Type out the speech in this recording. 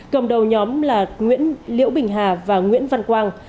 cầm đầu nhóm là nguyễn liễu bình hà và nguyễn văn quang